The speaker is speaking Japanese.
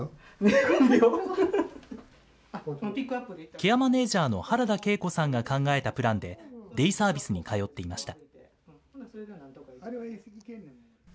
ケアマネージャーの原田恵子さんが考えたプランで、デイサービスに通っていました。